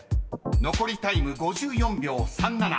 ［残りタイム５４秒３７］